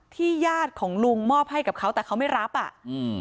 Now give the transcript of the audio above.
ญาติของลุงมอบให้กับเขาแต่เขาไม่รับอ่ะอืม